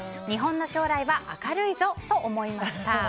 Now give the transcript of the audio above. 日本の将来は明るいぞと思いました。